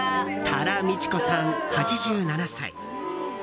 多良美智子さん、８７歳。